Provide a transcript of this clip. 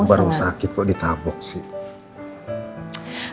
baru sakit kok ditabok sih